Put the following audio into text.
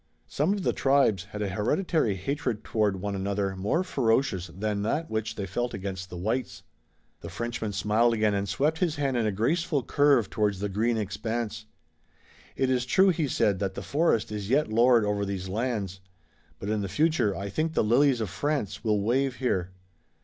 Some of the tribes had a hereditary hatred toward one another more ferocious than that which they felt against the whites. The Frenchman smiled again, and swept his hand in a graceful curve toward the green expanse. "It is true," he said, "that the forest is yet lord over these lands, but in the future I think the lilies of France will wave here.